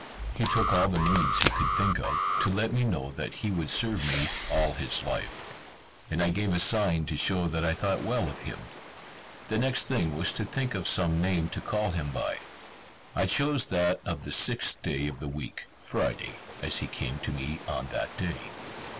He took all the means he could think of, to let me know that he would serve me all his life; and I gave a sign to show that I thought well of him. The next thing was to think of some name to call him by. I chose that of the sixth day of the week (Friday), as he came to me on that day.